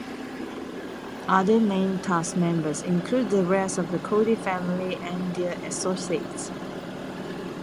Other main cast members include the rest of the Cody family and their associates.